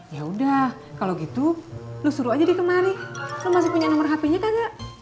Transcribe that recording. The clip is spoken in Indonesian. ya udah kalau gitu lu suruh aja dia kemari lo masih punya nomor hp nya kan ya